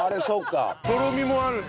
とろみもあるし。